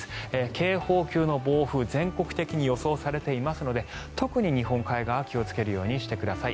警報級の暴風全国的に予想されていますので特に日本海側は気をつけるようにしてください。